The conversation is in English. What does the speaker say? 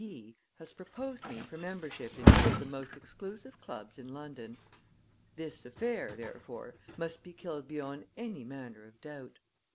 P., has proposed me for membership in two of the most exclusive clubs in London. This affair, therefore, must be killed beyond any manner of doubt.